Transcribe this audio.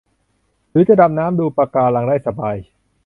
หรือจะดำน้ำดูปะการังได้สบาย